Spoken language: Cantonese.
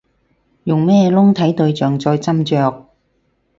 用咩窿睇對象再斟酌